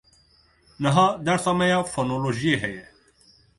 Niha dersa me ya fonolojiyê heye.